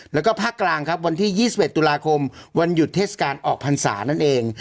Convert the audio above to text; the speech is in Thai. แล้วก็ภาคกลางครับวันที่๒๑ตุลาคมวันหยุดเทศกาลออกพรรษานั่นเอง